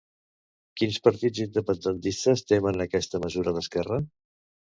Quins partits independentistes temen aquesta mesura d'Esquerra?